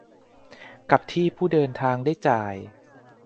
กับที่ผู้เดินทางได้จ่าย